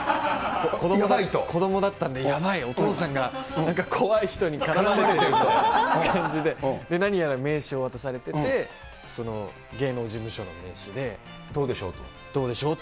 子どもだったんで、やばい、お父さんが怖い人に絡まれてるという感じで、何やら名刺を渡されてて、どうでしょうと。